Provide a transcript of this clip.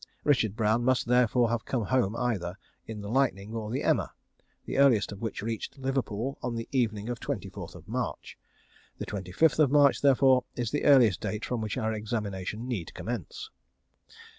Richard Brown must therefore have come home either in the Lightning or the Emma, the earliest of which reached Liverpool on the evening of the 24th March. The 25th of March therefore is the earliest date from which our examination need commence.